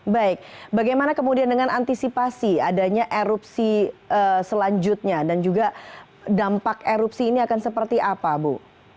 baik bagaimana kemudian dengan antisipasi adanya erupsi selanjutnya dan juga dampak erupsi ini akan seperti apa bu